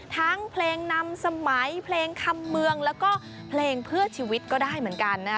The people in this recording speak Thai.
ทั้งเพลงนำสมัยเพลงคำเมืองแล้วก็เพลงเพื่อชีวิตก็ได้เหมือนกันนะฮะ